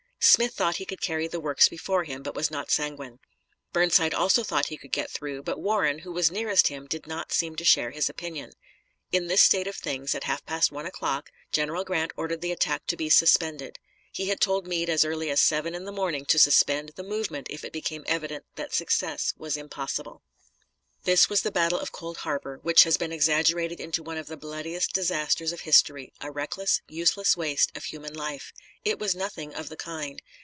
Smith thought he could carry the works before him, but was not sanguine. Burnside also thought he could get through, but Warren, who was nearest him, did not seem to share his opinion. In this state of things, at half past one o'clock, General Grant ordered the attack to be suspended. He had told Meade as early as seven in the morning to suspend the movement if it became evident that success was impossible. This was the battle of Cold Harbor, which has been exaggerated into one of the bloodiest disasters of history, a reckless, useless waste of human life. It was nothing of the kind.